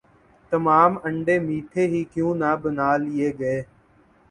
تمام انڈے میٹھے ہی کیوں نہ بنا لئے گئے